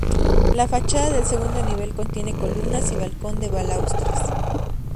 La fachada del segundo nivel contiene columnas y balcón de balaustres.